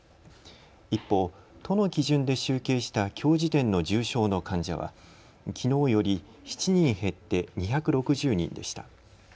一方、都の基準で集計したきょう時点の重症の患者はきのうより７人減って２６０人でした。